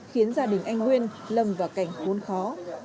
khiến gia đình anh nguyên lầm vào cảnh khốn khó